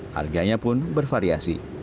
harganya pun bervariasi